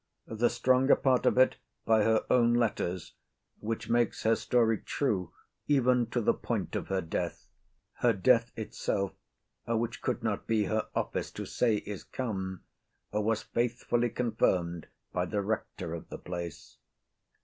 The stronger part of it by her own letters, which makes her story true, even to the point of her death. Her death itself, which could not be her office to say is come, was faithfully confirm'd by the rector of the place.